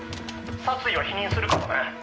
殺意は否認するからね」